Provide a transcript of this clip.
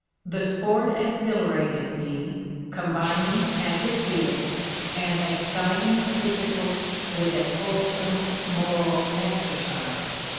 The sport exhilarated me, combining, as it did, an exciting physical with a wholesome moral exercise.